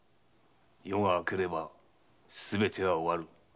夜が明ければすべては終わる。